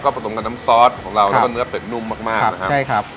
ผสมกับน้ำซอสของเราแล้วก็เนื้อเป็ดนุ่มมากมากนะครับใช่ครับ